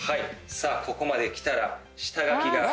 さあここまできたら。